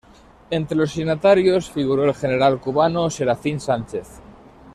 Entre los signatarios figuró el general cubano Serafín Sánchez.